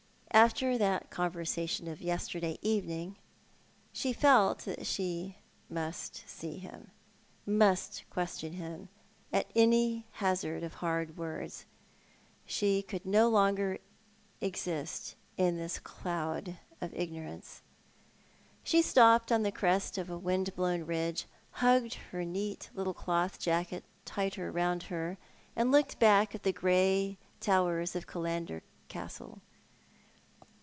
After that couver ^atiou of yesterday eveuiiig she felt that she must see him, must question him, at any hazard of hard words. She could exist no longer iu this cloud of ignorance. She stopped on the crest of a wiud blowu ridge, hugged her neat little cloth jacket tighter round her, and looked back at the grey towers of Killander Castle.